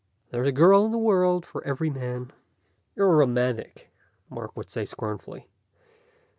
There's a girl in the world for every man." "You're a romantic!" Mark would say scornfully.